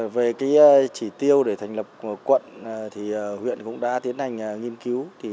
về chỉ tiêu để thành lập quận huyện cũng đã tiến hành nghiên cứu